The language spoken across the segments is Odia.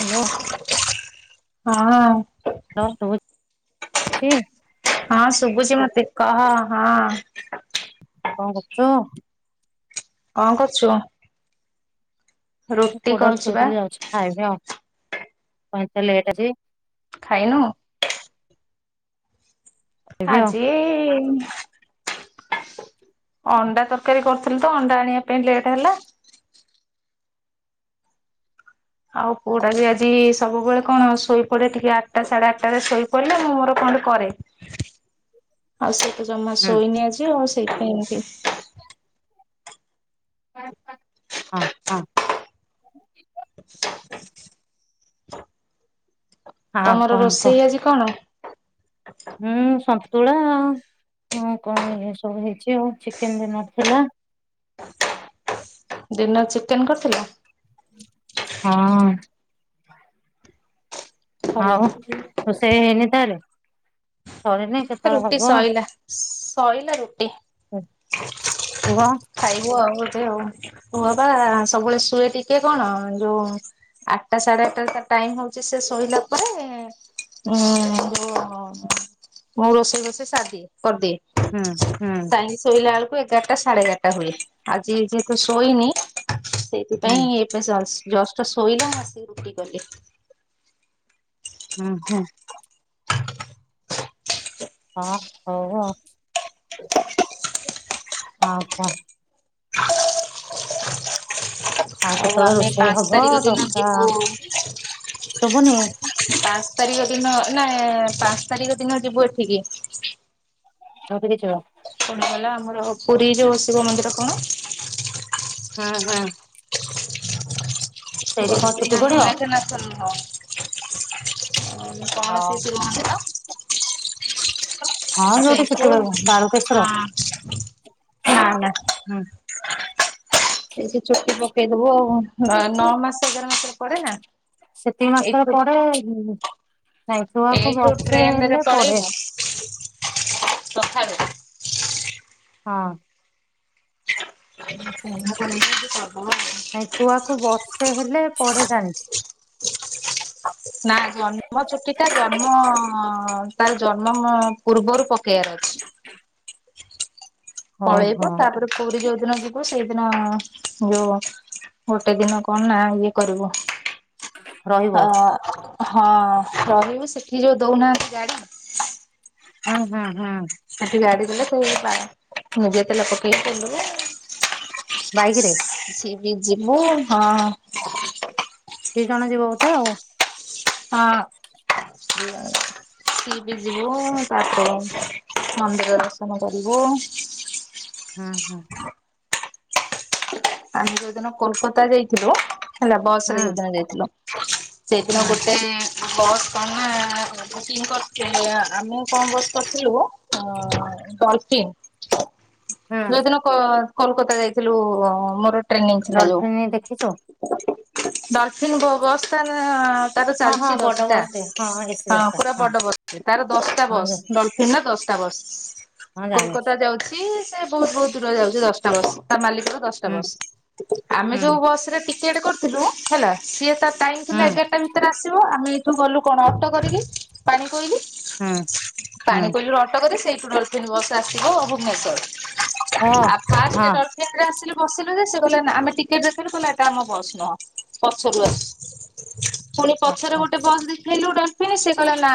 ହ୍ୟାଲୋ। ହଁ। ହାଲୋ ଶୁଭୁଚ ଛି। ହଁ ଶୁଭୁଛି ମତେ କହ ହଁ। କଅଁ କରୁଚ? କଣ କରୁଵ୍ଵ। ମୁଁ ପୁଉଟାକୁ କରୁଛି ବା ଶୋଇଥିଲି ଯାଉଛି ଖାଇବି ଆଉ କଂଏତେ ଲେଟ୍ ଆଜି। ଖାଇନୁ? ଖାଇବି ଆଉ ଆଜି ଏଇ ଅଣ୍ଡା ତରକାରୀ କରିୁଥିଲୁ ତ ଅଣ୍ଡା ଆଣିବା ପାଇଁ ଲେଟ୍ ହେଲା। ଆଉ କୁଉଟା ବି ଆଜି ସବୁବେଳେ କଣ ଶୋଇପଡ଼େ ଟିକେ ଆଠଟା ସାଢେ ଆଠଟାରେ ଶୋଇ ପଡି଼ଲେ ମୁଁ ମୋର କଣ କରେ। ଆଉ ସେ ତ ଜମା ହୁଁ। ଶୋଇନି ଆଜି ଆଉ ସେଇପାଇଁ ଏମତି ପା ପା ହଁ ହଁ। ଆଉ ତମର କଣ ରୋଷେଇ ଆଜି କଣ? ହଁ ସନ୍ତୁଳା, କଣ ଇଏ ସବୁ ହେଇଛି, ଆଉ ଚିକେନ ହେଇନଥିଲା। ଡିିନର୍ ଚିକେନ କରିଥିଲ? ହଁ। ଭଲ ଆଉ ରୋଷେଇ ହେଇନି ତାହେଲେ, ସରିନି କେତେବେଳେ ହବ ଶୋଇଲା ରୁଟି କୁହ। ଖାଇବୁ ଆଉ ବୋଧେ ଆଉ, ହଁ ବା ସବୁବେଳେ ଶୁଏ ଟିକେ କଣ ଯୋଉ ଆଠଟା ସାଢେ ଆଠଟା ଟାଇମ ହଉଛି ସେ ଶୋଇଲା ପରେ ହୁଁ ହ ହଉ ମୁଁ ରୋଷେଇ ଫୋଷେଇ ସାରିଦିଏ, କରିଦିଏ। ହୁଁ ହୁଁ। ସାରି ଶୋଇଲା ବେଳକୁ ଏଗାରଟା, ସାଢେ ଏଗାରଟା, ହୁଏ। ଆଜି ଯେହେତୁ ଶୋଇନି ହୁଁ ସେଇଥିପାଇଁ ଏବେ ଜଷ୍ଟ ଶୋଇଲା, ମୁଁ ଆସିକି ରୁଟି କଲି। ହଁ ହୁଁ। ହଁ ହଉ ଆଉ, ହଁ କହ? ଆଉ କେତେବେଳେ ଆମେ ରୋଷେଇ ପାଞ୍ଚ ହବ ତାରିଖ ଦିନ ଦଶଟା ଯିବୁ ଶୁଭୁନି ପାଞ୍ଚ ତାରିଖ ଦିନ ନା, ପାଞ୍ଚ ତାରିଖ ଦିନ ଯିବୁ ଏଠିକି। ଚୌତି ଦେଇଚୁ। କଣ ହେଲା, ଆମର ପୁରୀ ଯୋଉ ଶିବ ମନ୍ଦିର କଣ? ହଁ, ହଁ। ସେଇଠି କଣ ଚୁଟି [unintelligible] ପଡିବ? କଣ ସେଇ ଶିବ ଓହୋ ମନ୍ଦିର [inaudible] ହଁ ଯୋଉଠି ସେଇଠୁ ଛୁଟି, ହଁ ବାଳୁକେସ୍ଵର ନା ନା ହୁଁ ସେଇ ସେ ଚୁଟି ପକେଇଦବ, ଆ ନଅ ମାସ ଏଗାର ମାସରେ ପଡେ ନା ସେତିକି ମାତ୍ର ଏଇଠୁ ପଢେ, ନାଇଁ ଛୁଆକୁ ଏଇଠୁ ବର୍ଷେ ହେଲେ ପଢେ ସଖାଳେ ହଁ। [unintelligible] ନାଇଁ ଛୁଆକୁୁ ବର୍ଷେ ହେଲେ, ପଡେ ଜାଣିଛି। ନା ଜନ୍ମ ଚୁଟି ଟା, ଜନ୍ମ ତାର ଜନ୍ମ ପୂର୍ବରୁ ପକେଇବାର ଅଛି। ଓହୋ ପଳେଇବୁ, ତାପରେ ପୁରୀ ଯୋଉ ଦିନ ଯିବୁ, ସେଇଦିନ ଯୋଉ ଗୋଟେ ଦିନ କଣ ନା ଇଏ କରିବୁ ରହିବ ଅ ହଁ ରହିବୁ ସେଠି ଯୋଉ ଦଉନାହାନ୍ତି ଗାଡି ହୁଁ, ହୁଁ, ହୁଁ। ସେଠି ଗାଡି ଦେଲେ ସେଇ ଯିବାର, ନିଜେ ତେଲ ପକେଇକି ବୁଲିବ। ବାଇକ ରେ ସେୟୀଠିକି ଯିବୁ ହଁ ହଁ। ଦି ଜଣ ଯିବ ବୋଧେ ଆଉ ହଁ ସ ବି ଯିବୁ ତାପରେ ମନ୍ଦିର ଦର୍ଶନ କରିବୁ ହୁଁ, ହୁଁ। ଆମେ ଯୋଉଦିନ କୋଲକାତା ଯାଇଥିଲୁ ହେଲା ବସ୍ ହୁଁ ସରେ ଯୋଦିନ ଯାଇଥିଲୁ, ସେଇଦିନ ହୁଁ ଗୋଟେ ବସ୍ କଣ ବୁକିଂ କରିଥିଲେ, ଆମେ କଣ ବସ୍ କରିଥିଲୁ ଡଲଫିନ୍। ହୁଁ ଯୋଉଦିନ କ କୋଲକାତା ଯାଇଥିଲୁ ମୋର ଟ୍ରେନିଂ ଥିଲା ଯୋଉ। ଡଲଫିନ ଦେଖିଛୁ? ଡଲଫିନ ବ ବସ ଟା ଯା ତାର ହଁ ହଁ ଚାଲିଛି ବଡ ଦଶଟା ବସ୍ ଟେ ହଁ ଏସି ବସ୍ ହଁ ଟା ପୁରା ବଡ ବସ ଟେ ତାର ଦଶଟା ହଁ ବସ୍ ଜା ଡଲ ଫିନ ର ଦଶଟା ବସ ହଁ ଜାଣିଛି। କୋଲକାତା ଯାଉଛି ବହୁତ ବହୁତ ଦୂର ଯାଉଛି ଦଶଟା ବସ୍ ତା ମାଲିକ ର ଦଶଟା ହୁଁ ବସ ଆମେ ହୁଁ ଯୋଉ ବସରେ ଟି ସିଆଡେ କରିଥିଲୁ ହେଲା ସିଏ ତା ଟାଇମ୍ ହୁଁ ଥିଲା ଏଗାରଟା ଭିତ ଭିତରେ ଆସିବ ଆମେ ଏଇଠୁ ଗଲୁ କଣ ଅଟୋ କରିକି ପାଣି କୋଇଲି ହୁଁ ହୁଁ ପାଣି କୋଇଲିରୁ ଅଟୋ କରି ସେଇଠୁ ଡଲଫିନ୍ ବସ ଆସିବ ଓ ଭୁବନେଶ୍ଵର। ଆ ହଁ ଫାଷ୍ଟେ ଡଲଫିନ ରେ ଆସିଲୁ ବସିଲୁ ଯେ ସେ କଲେ ନା ଆମେ ଟିକେଟ ଦେଖେଇଲୁ କହିଲା ଏଟା ଆମ ବସ୍ ନୁହଁ ପଛରୁ ଆସ ପୁଣି ହଁ ପଛରେ ହଁ ଗୋଟେ ବସ୍ ଦେଖେଇଲୁ ଡଲଫିନ୍ ସେ କହିଲା ନା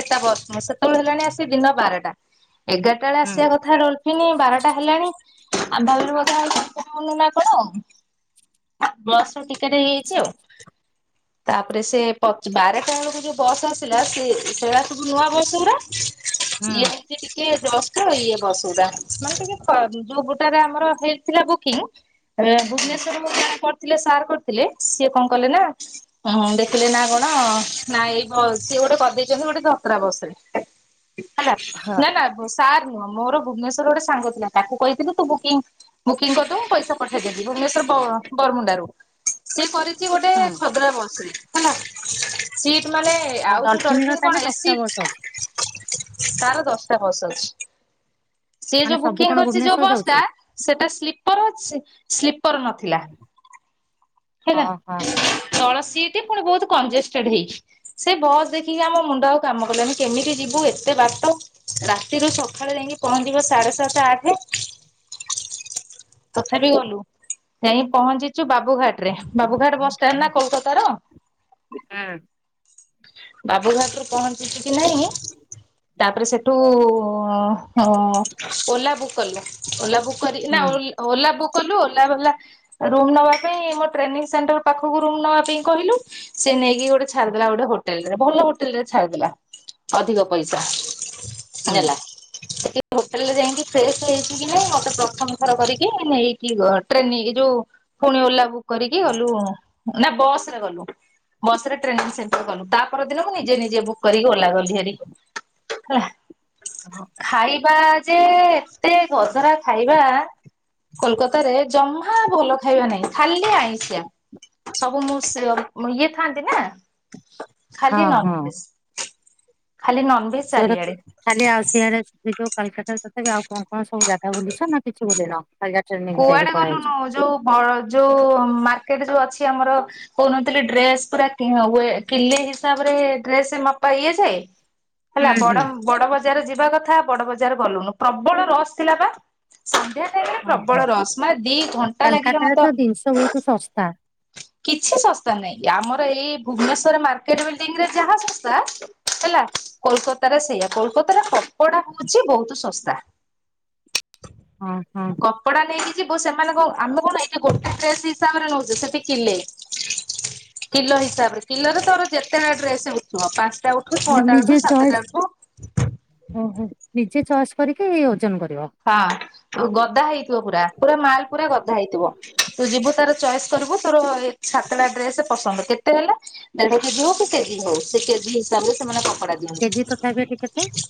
ଏଟା ବସ୍ ହଁ ସେତେବେଳେ ହେଲାଣି ଆସି ଦିନ ବାରଟା ଏଗାରଟା ବେଳେ ହୁଁ ଆସିବା କଥା ଡଲ୍ ହିନୀ ବାରଟା ହେଲାଣି ଆମେ ଭାବିଲୁ ବୋଧେ ଆସିପାରିବୁନି ନା କଣ ଆଉ। ବସ ର ଟିକେଟ ହେଇଯାଇଛି ଆଉ। ତାପରେ ସେ ପଚ ବାରଟା ବେଳକୁ ଯୋଉ ବସ ଆସିଲା ସେ ସେଡାସବୁ ନୂଆଁ ବସ ଗୁଡା। ହୁଁ ଇଏ ସେ ଟିକେ ଜଷ୍ଟ ଇଏ ବସ ଗୁଡା ମାନେ ଟିକେ ଖ ଯୋଉ ଗୋଟାରେ ଆମର ହେଇଥିଲା ବୁକ୍ ଥିନୁ ଏ ହୁଁ। ଭୁବନେଶ୍ୱରରେ ମୋର କରିଥିଲେ ସାର୍ କରିଥିଲେ ସିଏ କଣ କଲେ ନା ହଁ ହଁ ଦେଖିଲେ ନା କଣ, ନା ଏଇ ବ ସିଏ ଗୋଟେ କରିଦେଇଛନ୍ତି, ଗୋଟେ ଧତରା ବସ ରେ [inaudible] ହେଲା, ହଁ ନା ନା ବ ସାର୍ ନୁହଁ, ମୋର ଭୁବନେଶ୍ୱର ଗୋଟେ ସାଙ୍ଗ ଥିଲା, ତାକୁ କହିଥିଲି ତୁ ବୁକିଂ ବୁକିଂକରିଦେବୁ ପଇସା ପଠେଇଦେବି, ଭୁବନେଶ୍ୱର ବ ବରମୁଣ୍ଡାରୁୁ ସିଏ କରିଛି ଗୋଟେ ହଁ ଖଦଡା ବସ୍ ରେ ହେଲା, ସିଟ୍ ମାନେ ଆଉ ଯୋଉ ଡଲ୍ ଡଲଫିନ ର ଫିନ ତାହେଲେ କଣ ଦଶଟା ଏସି ବସ୍ ଅଛି ତାର ଦଷ୍ଟା ବସ୍ ଅଛି। ସିଏ ମାନେ ଯୋଉ ସବୁ ବୁକିଙ୍ଗ କଣ କରଛି ଯୋଉ ଭୁବନେଶ୍ଵର ବସ୍ ଯାଉଛି? ଟା, ସେଟା ସ୍ଲିପ ସ୍ଲି ସ୍ଲିପର ନଥିଲା, ହେଲା? ଓହୋ ତଳ ସିଟି ପୁଣି ବହୁତ୍ କଂଜେଷ୍ଟେଡ ହେଇଛି। ସେ ବସ ଦେଖିକି ଆମ ମୁଣ୍ଡ ଆଉ କାମ କଲାନି, କେମିତି ଯିବୁ ଏତେ ବାଟ ରାତିରୁୁ ସକାଳେ ଯାଇକି ପହଞ୍ଚିବ, ସାଢେ ସାତେ ଆଠେ ତଥାପି ଗଲୁ ଯାଇ ପହଞ୍ଚିଚୁ ବାବୁଘାଟରେ, ବାବୁଘାଟ ବୁଷ୍ଟାଣ୍ଡନା କୋଲକାତ ର। [unintelligible] ବାବୁଘାଟରୁ ପହଞ୍ଚିଛୁକି ନାଇଁ [inaudible] ତାପରେ ସେଠୁ ଉଁ ଓଲା ବୁକ୍ କଲୁ, ଓଲା ବୁକ୍ କରି ନା ହୁଁ ଓଲ ଓଲା ବୁକ୍ କଲୁ, ଓଲା ବାଲା ରୁମ ନବା ପାଇଁ, ମୋ ଟ୍ରେନିଂ ସେଣ୍ଟର ପାଖକୁ ରୁମ ନବା ପାଇଁ କହିଲୁ ସେ ନେଇକି ଗୋଟେ ଛାଡିଦେଲା ଗୋଟେ ହୋ ଟେଲ୍ ରେ ଭଲ ହୋଟେଲରେ ଛାଡ଼ିଦେଲା। ଅଧିକ ପଇସା ହେଲା ହୋଟେଲରେ ଯାଇକି ଫ୍ରେସ୍ ହେଇଛି କି ନାଇଁ, ମତେ ପ୍ରଥମ ଥର କରିକି ନେଇକି ଗ ଟ୍ରେନିଂ ଯୋଉ ପୁଣି ଓଲା ବୁକ୍ କରିକି ଗଲୁ ନା ବସରେ ଗଲୁ ବସରେ ଟ୍ରେନିଂ ସେଣ୍ଟର ଗଲୁ। ତା ପରଦିନ ମୁଁ ନିଜେ ନିଜେ ବୁକ୍ କରିକି ଓଲା ଗଲିହାରି, ହେଲା। ଖାଇବା ଯେ ଏତେ ଗଧରା ଖାଇବା। କୋଲକାତାରେ ଜମାଃ ଭଲ ଖାଇବା ନାହିଁ ଖାଲି ଆଇଁସିିଆ। ସବୁ ମୁଁ ସିଅ ଇଏ ଥାନ୍ତି ନା। ହଁ ଖାଲି ହଁ ନନଭେଜ ଖାଲି ନନ ସିଅର ଖାଲି ଆଉ ସିଆଡେ ଯଉ କାଲକାଟାରେ ତଥାପି ଆଉ କଣ କଣ ସବୁ ଜାଗା ବୁଲିଛ ନା କିଛି ବୁଲିନ, ଖାଲି ଯା କୁଆଡେ ଗଲୁନୁ ଯୋଉ ବ ଯୋଉ ମାର୍କେଟ ଯୋଉ ଅଛି ଆମର କହୁନଥିଲି ଡ୍ରେସ ପୁରା କି ୱେ କିଲେ ହିସାବରେ ଡ୍ରେସ ମପା ଇଏଯାଏ। ହେଲା ହୁଁ ହୁଁ ବଡ ବଡ ବ ଯାର ଯିବା କଥା ବଡ ବଜାର ଗଲୁୁନୁ ପ୍ରବଳ ରସ ଥିଲା ବା ସନ୍ଧ୍ୟା ବେଳେ ଯେ ପ୍ରବଳ ଓହୋ ରସ ମା ଦି ଘଣ୍ଟା ଲାଗିଲା ମତେ ସସ୍ତା। କିଛି ଶସ୍ତା ନାଇଁ, ଆମର ଏଇ ଭୁବନେଶ୍ୱର ମାର୍କେଟ ବିଲ୍ଡିଂ ଯାହା ଶସ୍ତା ହେଲା କୋଲକତାରେ ସେଇଆ, କୋଲକାତାରେ କପଡା ହଉଛି ବହୁତ ଶସ୍ତା। ହଁ ହଁ କ କପଡା ନେଇକି ଯିବୁ ସେମାନେ କଣ ଆମେ କଣ ଏଠି ଗୋଟେ ଡ୍ରେସ୍ ହିସାବରେ ନଉଛେ, ସେଠି କିଲେ, କିଲ ହିସାବରେ କିଲରେ ତୋର ଯେତେ ଡ୍ରେସ୍ ଉଠିବ ପାଞ୍ଚଟା ଉ ଠୁ ମାନେ ଛଅଟାଉଠୁ ନିଜେ ସାତଟା ଚଏସ୍ ଉଠୁ। ଓହୋ, ନିଜେ ଚଏସ୍ କରିକି ଓଜନ କରିବ। ହଁ, ଗଦା ହେଇଥିବ ପୁରା, ପୁରା ମାଲ ପୁରା ଗଦା ହେଇଥିବ, ତୁ ଯିବୁ ତାର ଚଏସ୍ କରିବୁ ତୋର ସାତଟା ଡ୍ରେସ ପସନ୍ଦ କେତେ ହେଲା। ଦେଢ଼ କେଜି ହଉ କି କେଜି ହଉ ସେ କେଜି ହିସାବରେ ସେମାନେ କପଡା କେଜି ତଥାପି ଏଠି କେତେ ଦିଅନ୍ତି।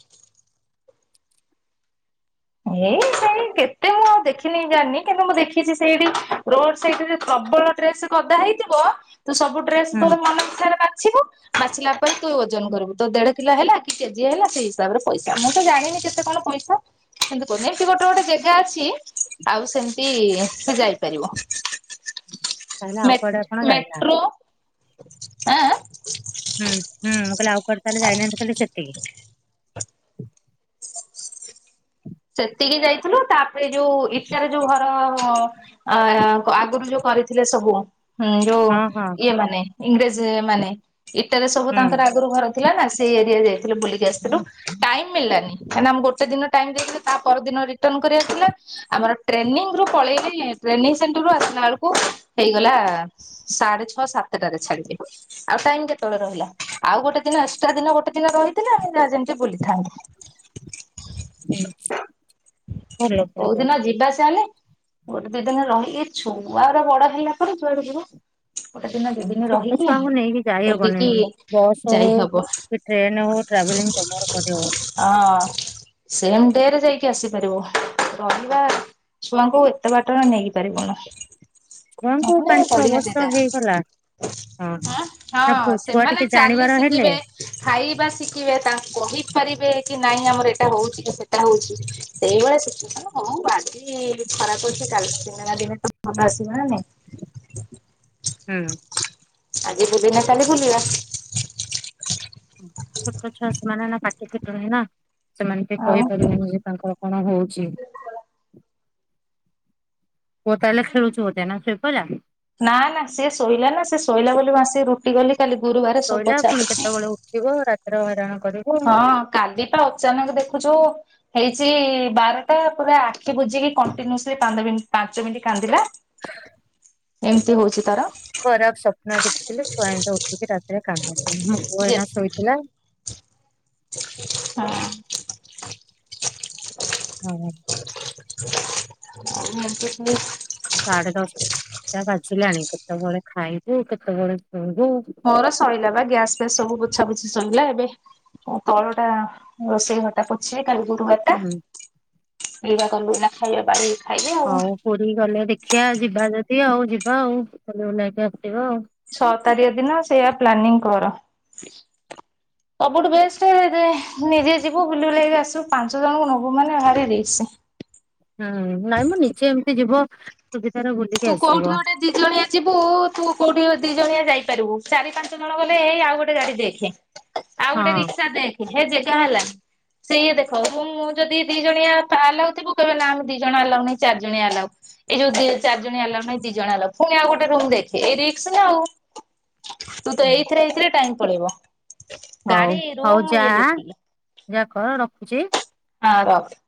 ଏଇ ସେଇ କେ ଏତେ ମୁଁ ଆଉ ଦେଖିନିି ଜାଣିନି, କିନ୍ତୁ ମୁଁ ଦେଖିଛି ସେଇଠି ରୋଡ ସଇଡରେ ପ୍ରବଳ ଡ୍ରେସ ଗଦା ହେଇଥିବ ତୁ ସବୁ ଡ୍ରେସ ତୋ ହୁଁ ମନ ଅନୁସାରେ ବାଛିବୁ ବାଛିଲା ପରେ ତୁ ଓଜନ କରିବୁ ତୋ ଦେଢ କିଲ ହେଲା କି କେଜିଏ ହେଲା ସେଇ ହିସାବରେ ପଇସା, ମୁଁ ତ ଜାଣିନି କେତେ କଣ ପଇସା। କିନ୍ତୁ [unintelligible] ଗୋଟେ ଗୋଟେ ଜେଗା ଅଛି ଆଉ ସେମତି ସେ ଯାଇପାରିବ। ତାହେଲେ ଆଉ ମେ କୁଆଡେ ଆପଣ ଯାଇନାହାନ୍ତି ମେଟ୍ରୋ, ଆଁ ଆଁ। ହୁଁ ହୁଁ ମୁଁ କାଲି ଆଉ କୁଆଡେ ତାହେଲେ ଯାଇନାହାନ୍ତି ଖାଲି ସେତିକି। ସେତିକି ଯାଇଥିଲୁ ତାପରେ ଯୋଉ ଇଟାରେ ଯୋଉ ଘର ଅ ଆଗରୁ ଯୋଉ କରିଥିଲେ ସବୁ ହୁଁ ଯୋଉ ହଁ ହଁ ଇଏ ମାନେ ଇଂରେଜ ମାନେ ଇଟାରେ ସବୁ ହୁଁ ତାଙ୍କର ଆଗରୁ ଘର ଥିଲା ନା ସେଇ ଏରିଆରେ ଯାଇଥିଲୁ ବୁଲିକି ଆସିଥିଲୁ, ଟାଇମ ମିଳିଲାନି କାହିଁ ନା ଆମ ଗୋଟେ ଦିନ ଟାଇମ ଦେଇଥିଲେ ତା ପରଦିନ ରିଟର୍ଣ କରିବାର ଥିଲା। ଆମର ଟ୍ରେନିଂ ରୁ ପଳେଇଲେ ଟ୍ରେନିଂ ସେଣ୍ଟର ରୁ ଆସିଲା ବେଳକୁ ହେଇଗଲା ସାଢେ ଛଅ ସାତଟାରେ ଛାଡିବେ। ଆଉ ଟାଇମ କେତେବେଳେ ରହିଲା ଆଉ ଗୋଟେ ଦିନ ଏକ୍ସଟ୍ରା ଦିନ ଗୋଟେ ଦିନ ରହିଥିଲେ ଆମ ଯାହା ଯେମତି ବୁଲିଥାନ୍ତୁ। ହୁଁ। ଭଲ କିନ୍ତୁ କୋଉଦିନ ଯିବା ଚାଲେ। ଗୋଟେ ଦି ଦିନ ରହି ଏ ଛୁଆରା ବଡ ହେଲା ପରେ ଯୁଆଡେ ଯିବ। ଗୋଟେ ଦିନ ଦି ଦିନ ଛୋଟ ରହିକି ଛୁଆଙ୍କୁ ନେଇକି ଯାଇହବନି। ବୁଲିକି ବସ୍ ହଉ ଯାଇ ହବ। ଟ୍ରେନ ହଉ ଟ୍ରାଭେଲିଂ ଜମାରୁ କରି ହବନି। ହଁ ସେମ୍ ଡେ ରେ ଯାଇକି ଆସିପାରିବ ରହିବା ଛୁଆଙ୍କୁ ଏତେ ବାଟ ନେଇ ପାରିବୁନୁ। ଛୁଆଙ୍କୁ ପାଞ୍ଚ [unintelligible] ଛଅ ପଢିବା ବର୍ଷ ଚିନ୍ତା। ହେଇଗଲା ହଁ ନା ହଁ ପୁ- ଛୁଆ ସେମାନେ ଟିକେ ଚାଲି ଜାଣିବାର ହେଲେ ଶିକିବେ। ଖାଇବା ଶିଖିବେ ତାଙ୍କୁ କହିପାରିବେ କି ନାଇଁ ଆମର ଏଇଟା ହଉଛି କି ସେ ହଉଛି ସେଇଭଳିଆ ସିଚୁଏସନ୍ ହଁ ବାଜି ଖରାପ ଅଛି କାଲି ଦିନେ ନା ଦିନେ ତ ଭଲ ଆସିବ ନା ନାଇ। ହୁଁ। ଆଜି ବୁଲିନେ କାଲି ବୁଲିବା। ଛୋଟ ଛୁଆ ସେମାନେ ନା ପାଟି ଫିଟୁନି ନା ସେମାନେ ବି ଆଉ କହିପାରିବେନି ଯେ ତାଙ୍କୁ କଣ ହୋଉଚି। ପୁଅ ତାଏଲେ ଖେଳୁଚି ବୋଧେ ନା ଖେଳପଇଲା? ନା ନା ସିଏ ଶୋଇଲା ନା ସେ ଶୋଇଲା ବୋଲି ମୁଁ ଆସିକି ରୁଟି ଗଲି କାଲି ଗୁରୁବାରେ ସବୁ ପୋଛା ପୋଛି ଯିବ ରାତିରେ ହଇରାଣ କରିବ। ହଁ କାଲି ପା ଅଚାନକ ଦେଖୁଚୁ ହେଇଛି ବାରଟା ପୁରା ଆଖି ବୁଝିକି କଣ୍ଟିନୁସଲି ପାନ୍ଦ ମିଣ୍ଟି ପାଞ୍ଚ ମିନିଟ କାନ୍ଦିଲା। ଏମିତି ହୋଉଚି ତାର। ଖରାପ ସ୍ୱପ୍ନ ଦେଖିଥିଲେ ଛୁଆ ଏମିତି ଉଠିକି ରାତିରେ କାନ୍ଦନ୍ତି ମୋ ପୁଅ ଏଇନା ଶୋଇଥିଲା। ହଁ। ମାନେ ମତେ କୁଏ ସାଢ଼େ ଦଶଟା ବାଜିଲାଣି କେତେବେଳେ ଖାଇବି କେତେବେଳେ ଶୋଇବି? ତୋର ସଇଲା ବା ଗ୍ୟାସ୍ ଫ୍ୟାସ୍ ସବୁ ପୋଛା ପୋଛିି ସଇଲା ଏବେ ତଳ ଟା ରୋଷେଇ ଘରଟା ପୋଛିବି କାଲି ଗୁରୁବାରେ ହୁଁ। [unintelligible] ହଉ ପୁରୀ ଗଲେ ଦେଖିଆ ଯିବା ଯଦି ଆଉ ଯିବା ଆଉ [unintelligible] ଆସିବ ଆଉ। ଛଅ ତାରିଖ ଦିନ ସେଇୟା ପ୍ଲାନିଂ କର। ସବୁଠୁ ବେଷ୍ଟେ ଦେ ନିଜେ ଯିବୁ ବୁଲି ବୁଲାକି ଆସିବୁ ପାଞ୍ଚ ଜଣଙ୍କୁ ନବୁ ମାନେ ଭାରି ରିସି। ହୁଁ ନାଇଁ ମ ନିଜେ ଏମିତି ଯିବ। ସୁବିଧାରେ ବୁଲି ତୁ କୋଉଠି ଗୋଟେ ଦି ଜଣିଆ ଯିବୁ ତୁ କୋଉଠି ଦି ଜଣିଆ ଯାଇପାରିବୁ ଚାରି ପାଞ୍ଚ ଜଣ ଗଲେ ଏଇ ଆଉ ଗୋଟେ ଗାଡ଼ି ଦେଖେ। ଆଉ ଗୋଟେ ହଁ। ରିକ୍ସା ଦେଖେ ହେ ଜେଗା ହେଲା। ସେଇଆ ଦେଖ ମୁଁ ଯଦି ଦି ଜଣିଆ ଆଲାଉ ଥିବ କହିବେ ନା ଆମେ ଦି ଜଣ ଆଲାଉ ନାଇ ଚାରି ଜଣିଆ ଆଲାଉ। ଏଇ ଯୋଉ ଦି ଚାର ଜଣଆ ଆଲାଉ ନାଇ ଦି ଜଣ ହେଲା ପୁଣି ଆଉ ଗୋଟେ ରୁମ ଦେଖେ ଏ ରିକ୍ସ ନା ଆଉ। ତୁ ତ ଏଇଥିରେ ଏଇଥିରେ ଟାଇମ୍ ପଳେଇବ ହଉ ଗାଡ଼ି ହଉ ରୁମ୍ ଯା ଇଏ ଦେଖିକି। ଯା କର ରଖୁଚି। ହଁ ରଖ।